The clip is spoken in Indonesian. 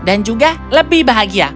dan juga lebih bahagia